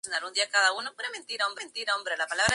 La música para la masque fue compuesta por Nicholas Lanier.